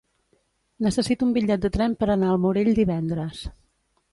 Necessito un bitllet de tren per anar al Morell divendres.